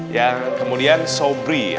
yang kemudian sobri